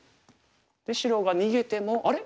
白が逃げてもあれ？